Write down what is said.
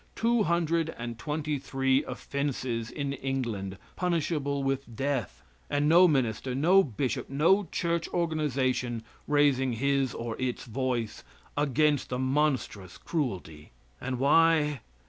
Two hundred and twenty three offenses in England punishable with death, and no minister, no bishop, no church organization raising his or its voice, against the monstrous cruelty. And why?